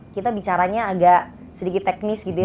kita bicaranya agak sedikit teknis gitu ya